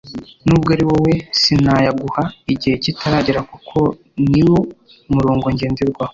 Nubwo ariwowe sinayaguha igihe kitaregera kuko niwo murongo ngenderwaho